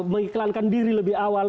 mengiklankan diri lebih awal